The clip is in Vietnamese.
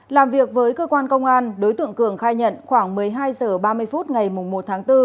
làm việc với cơ quan công an đối tượng cường khai nhận khoảng một mươi hai h ba mươi phút ngày một tháng bốn